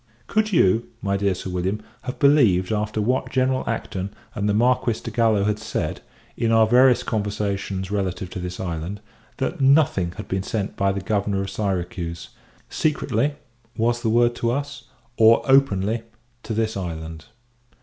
Could you, my dear Sir William, have believed, after what General Acton and the Marquis de Gallo had said, in our various conversations relative to this island, that nothing had been sent by the Governor of Syracuse secretly (was the word to us) or openly to this island?